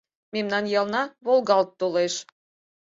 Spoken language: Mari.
Мемнан ялна волгалт толеш.